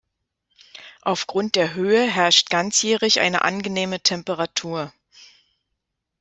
Aufgrund der Höhe herrscht ganzjährig eine angenehme Temperatur.